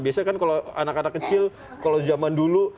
biasanya kan kalau anak anak kecil kalau zaman dulu